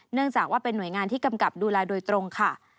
เนื่องจากว่าเป็นหน่วยงานที่กำกับดูแลโดยตรงค่ะ